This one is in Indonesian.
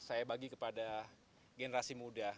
saya bagi kepada generasi muda